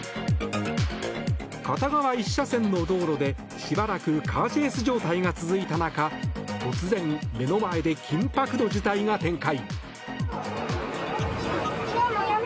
片側１車線の道路でしばらくカーチェイス状態が続いた中突然、目の前で緊迫の事態が展開。